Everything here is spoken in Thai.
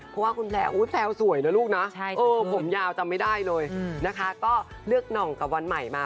เพราะว่าคุณแพลวสวยนะลูกนะผมยาวจำไม่ได้เลยนะคะก็เลือกหน่องกับวันใหม่มา